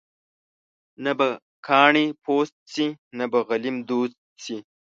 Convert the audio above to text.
نه به کاڼې پوست شي ، نه به غلیم دوست شي.